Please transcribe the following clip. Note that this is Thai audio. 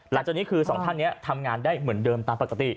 หลังจากนี้คือสองท่านนี้ทำงานได้เหมือนเดิมตามปกติ